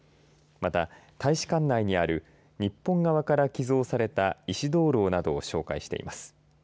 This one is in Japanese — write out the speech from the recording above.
また大使館内にある日本側から寄贈された石灯籠などを紹介しています。